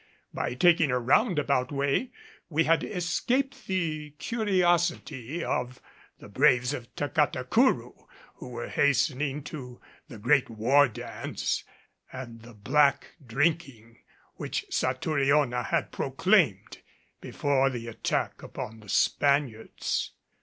By taking a roundabout way we had escaped the curiosity of the braves of Tacatacourou, who were hastening to the great war dance and the "black drinking" which Satouriona had proclaimed before the attack upon the Spaniards.